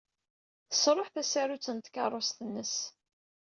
Tesṛuḥ tasarut n tkeṛṛust-nnes.